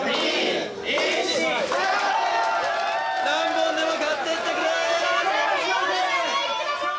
何本でも買ってってくれ！